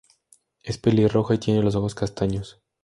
Es pelirroja y tiene los ojos castaños.